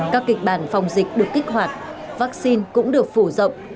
các kịch bản phòng dịch được kích hoạt vaccine cũng được phủ rộng